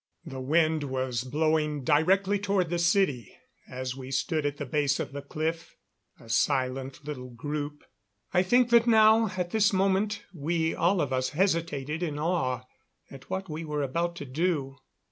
The wind was blowing directly toward the city as we stood at the base of the cliff, a silent little group. I think that now, at this moment, we all of us hesitated in awe at what we were about to do.